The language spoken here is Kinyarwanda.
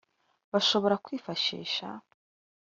bashobora kwifashisha